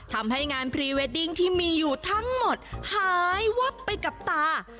ทำให้งานพรีเวดดิ้งที่มีอยู่ทั้งหมดหายวับไปกับตา